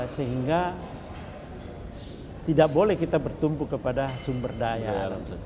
sehingga tidak boleh kita bertumpu kepada sumber daya